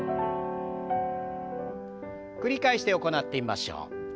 繰り返して行ってみましょう。